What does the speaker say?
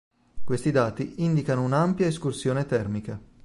Questi dati indicano un'ampia escursione termica.